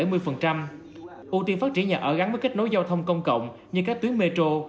ưu tiên phát triển nhà ở gắn với kết nối giao thông công cộng như các tuyến metro